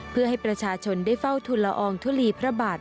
เพื่อให้ประชาชนได้เฝ้าทุนละอองทุลีพระบาท